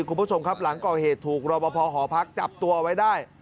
คุณผู้ชมครับหลังก่อเหตุถูกรอบพอหอพักจับตัวไว้ได้